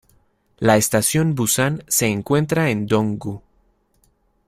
La Estación Busan se encuentra en Dong-gu.